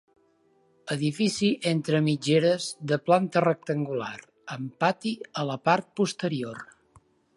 Edifici entre mitgeres de planta rectangular, amb pati a la part posterior.